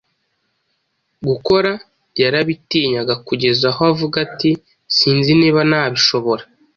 gukora yarabitinyaga, kugeza aho avuga ati “Sinzi niba nabishobora.